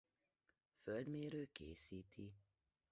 Földmérő készíti.